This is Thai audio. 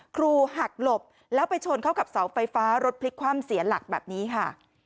หักหลบแล้วไปชนเข้ากับเสาไฟฟ้ารถพลิกคว่ำเสียหลักแบบนี้ค่ะ